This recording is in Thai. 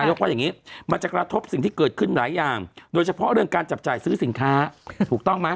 กว่าอย่างนี้มันจะกระทบสิ่งที่เกิดขึ้นหลายอย่างโดยเฉพาะเรื่องการจับจ่ายซื้อสินค้าถูกต้องไหม